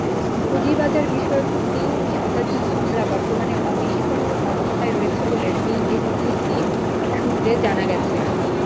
পুঁজিবাজারবিষয়ক তিন শতাধিক মামলা বর্তমানে অনিষ্পন্ন অবস্থায় রয়েছে বলে বিএসইসি সূত্রে জানা গেছে।